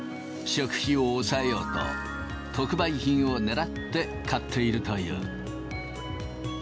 食費を抑えようと、特売品を狙って買っているという。